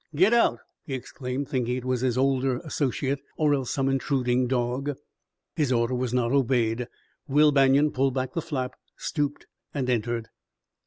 "Get out!" he exclaimed, thinking that it was his older associate, or else some intruding dog. His order was not obeyed. Will Banion pulled back the flap, stooped and entered.